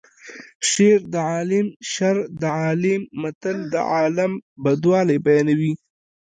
شر د عالیم شر د عالیم متل د عالم بدوالی بیانوي